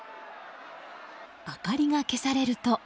明かりが消されると。